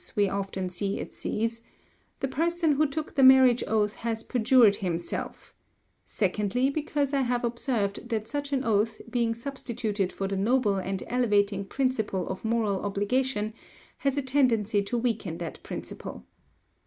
we often see it cease), the person who took the marriage oath has perjured himself; secondly, because I have observed that such an oath, being substituted for the noble and elevating principle of moral obligation, has a tendency to weaken that principle.